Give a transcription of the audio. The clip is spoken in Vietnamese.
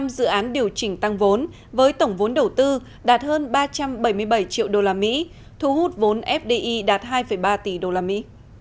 một trăm hai mươi năm dự án điều chỉnh tăng vốn với tổng vốn đầu tư đạt hơn ba trăm bảy mươi bảy triệu đô la mỹ thu hút vốn fdi đạt hai ba tỷ đô la mỹ